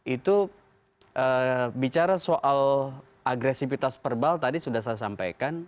itu bicara soal agresivitas verbal tadi sudah saya sampaikan